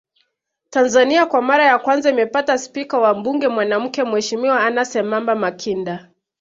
Tanzania kwa mara ya kwanza imepata spika wa mbuge mwanamke Mheshimiwa Anna Semamba Makinda